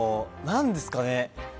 何ですかね。